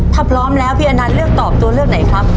ถ้าพร้อมแล้วพี่อนันต์เลือกตอบตัวเลือกไหนครับ